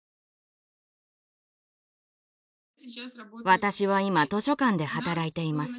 私は今図書館で働いています。